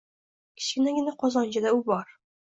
Kichkinagina qozonchada u bor.